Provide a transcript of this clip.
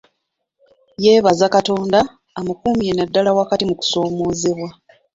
Yeebaza Katonda amukumye naddala wakati mu kusoomoozebwa